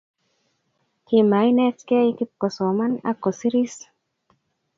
Kimainetgei Kip kosoman ago kosiiris